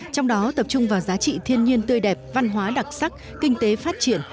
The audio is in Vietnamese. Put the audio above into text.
trong đó tập trung vào giá trị thiên nhiên tươi đẹp văn hóa đặc sắc kinh tế phát triển